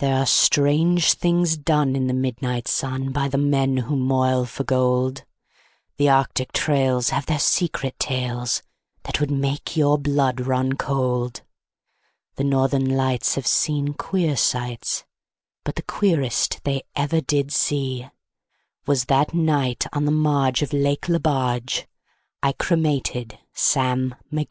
There are strange things done in the midnight sun By the men who moil for gold; The Arctic trails have their secret tales That would make your blood run cold; The Northern Lights have seen queer sights, But the queerest they ever did see Was that night on the marge of Lake Lebarge I cremated Sam McGee.